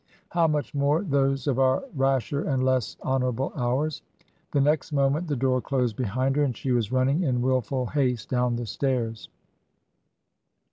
How much more those of our rasher and less honourable hours! The next moment the door closed behind her, and she was running in wilful haste down the stairs.